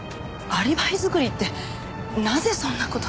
アリバイ作りってなぜそんな事？